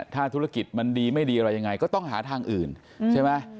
ถ้าธุรกิจมันดีไม่ดีอะไรยังไงก็ต้องหาทางอื่นใช่ไหม